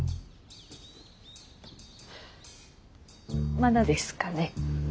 まだですかね。